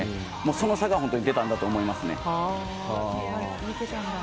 その差が本当に出たんだと思いますね。